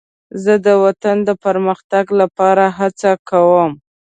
زه د وطن د پرمختګ لپاره هڅه کوم.